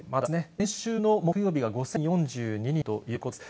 先週の木曜日が５０４２人ということです。